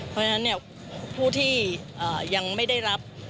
เพราะฉะนั้นผู้ที่ยังไม่ได้รับ